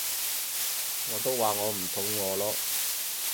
我都話我唔肚餓咯